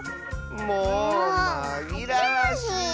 もうまぎらわしいよ。